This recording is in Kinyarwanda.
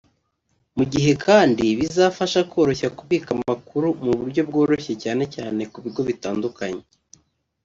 mu gihe kandi bizafasha koroshya kubika amakuru mu buryo bworoshye cyane cyane ku bigo bitandukanye"